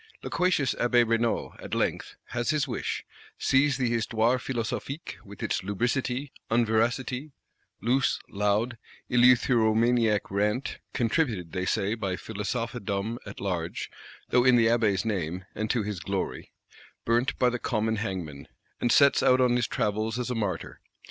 Loquacious Abbé Raynal, at length, has his wish; sees the Histoire Philosophique, with its "lubricity," unveracity, loose loud eleutheromaniac rant (contributed, they say, by Philosophedom at large, though in the Abbé's name, and to his glory), burnt by the common hangman;—and sets out on his travels as a martyr.